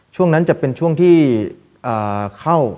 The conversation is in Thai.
ช่วงนั้นจะเป็นช่วงที่เข้า